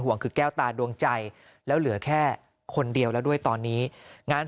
คือแก้วตาดวงใจแล้วเหลือแค่คนเดียวแล้วด้วยตอนนี้งาน